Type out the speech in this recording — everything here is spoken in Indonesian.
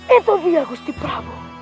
itu dia gusti prabu